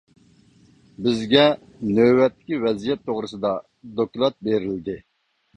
بىزگە نۆۋەتتىكى ۋەزىيەت توغرىسىدا دوكلات بېرىلدى.